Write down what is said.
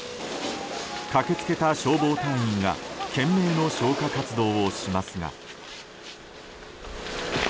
駆け付けた消防隊員が懸命の消火活動をしますが。